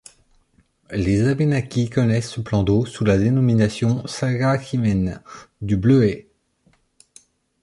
Les Abénaquis connaissent ce plan d'eau sous la dénomination Sagakhimen, du bleuet.